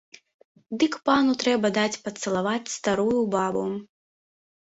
Дык пану трэба даць пацалаваць старую бабу.